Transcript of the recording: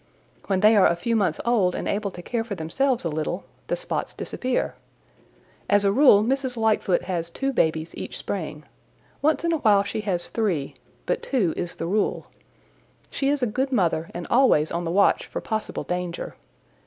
"When they are a few months old and able to care for themselves a little, the spots disappear. As a rule Mrs. Lightfoot has two babies each spring. Once in a while she has three, but two is the rule. She is a good mother and always on the watch for possible danger.